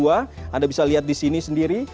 anda bisa lihat di sini sendiri